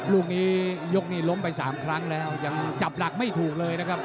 ลูกนี้ยกนี้ล้มไป๓ครั้งแล้วยังจับหลักไม่ถูกเลยนะครับ